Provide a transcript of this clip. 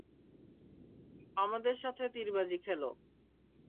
আমাদের সাথে তীরবাজি খেলো।